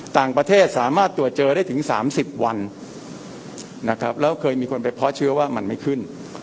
ต่างประเทศสามารถตรวจเจอได้ถึง๓๐วันนะครับแล้วเคยมีคนไปเพาะเชื้อว่ามันไม่ขึ้น